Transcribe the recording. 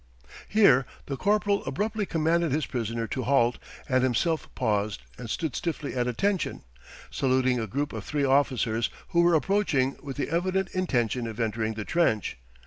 Here the corporal abruptly commanded his prisoner to halt and himself paused and stood stiffly at attention, saluting a group of three officers who were approaching with the evident intention of entering the trench.